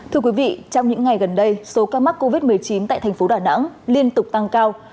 thưa quý vị trong những ngày gần đây số ca mắc covid một mươi chín tại thành phố đà nẵng liên tục tăng cao